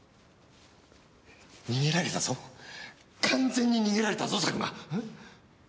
逃げられたぞ完全に逃げられたぞ佐久間ん？